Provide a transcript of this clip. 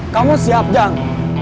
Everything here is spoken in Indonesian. kamu siap jang